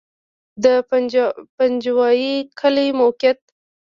د پنجوایي کلی موقعیت